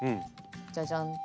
じゃじゃんと。